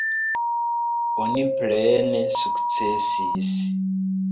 Oni plene sukcesis.